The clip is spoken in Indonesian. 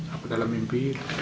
apa dalam mimpi itu